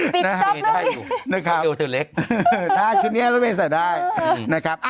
ปิดกรอบนั่งจริงนะครับได้ชื้นนี้ได้รสเวอร์ใส่ได้นะครับ